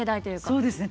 そうですね